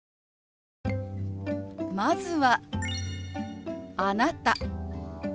まずは「あなた」。